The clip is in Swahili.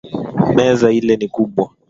Meza ile ni kubwa.